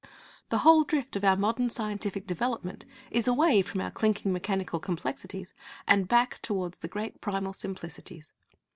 The whole drift of our modern scientific development is away from our clinking mechanical complexities and back towards the great primal simplicities.